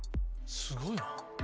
すごいな。